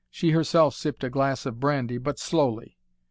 She herself sipped a glass of brandy but slowly.